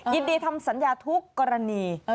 ยินดีทำสัญญาทุกกรณี